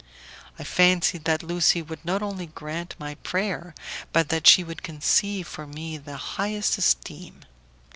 I fancied that Lucie would not only grant my prayer, but that she would conceive for me the highest esteem.